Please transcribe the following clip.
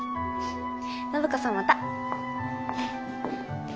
暢子さんまた。